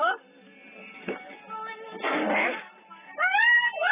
โอ้โฮ